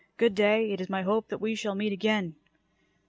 "Good day. It is my hope that we shall meet again."